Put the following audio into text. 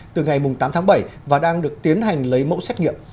từ ngày tám tháng bảy và đang được tiến hành lấy mẫu xét nghiệm